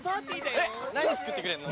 えっ何作ってくれるの？